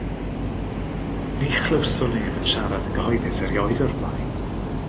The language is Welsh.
Ni chlywswn ef yn siarad yn gyhoeddus erioed o'r blaen.